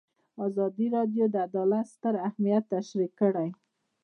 ازادي راډیو د عدالت ستر اهميت تشریح کړی.